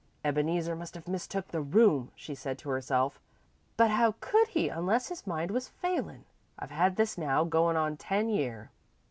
"Ebeneezer must have mistook the room," she said to herself, "but how could he unless his mind was failin'? I've had this now, goin' on ten year."